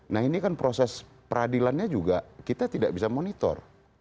nah ini kan proses peradilannya juga kita tidak bisa monitor